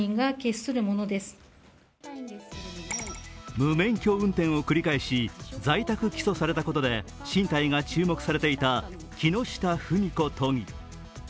無免許運転を繰り返し在宅起訴されたことで進退が注目されていた木下富美子都議。